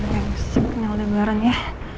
yang sibuknya udah bareng ya